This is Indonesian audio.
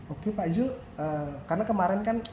oke pak zul karena kemarin kan